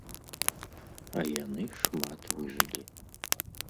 А яны шмат выжылі.